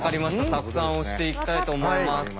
たくさん押していきたいと思います。